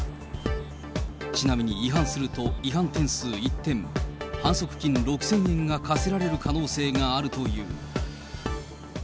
ちなみに違反すると、違反点数１点、反則金６０００円が科せられる可能性があるという。